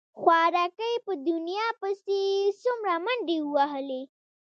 خواركى په دنيا پسې يې څومره منډې ووهلې.